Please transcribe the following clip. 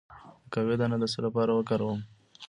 د قهوې دانه د څه لپاره وکاروم؟